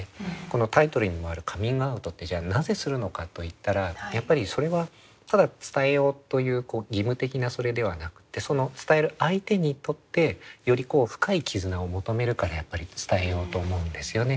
このタイトルにもあるカミングアウトってじゃあなぜするのかといったらやっぱりそれはただ伝えようという義務的なそれではなくてその伝える相手にとってより深い絆を求めるからやっぱり伝えようと思うんですよね。